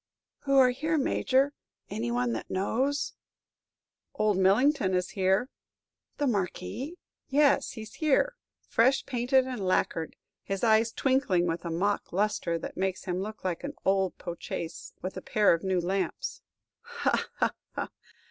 "Who are here, Major? Any one that one knows?" "Old Millington is here." "The Marquis?" "Yes, he 's here, fresh painted and lacquered; his eyes twinkling with a mock lustre that makes him look like an old po' chaise with a pair of new lamps!" "Ha, ha, ha!"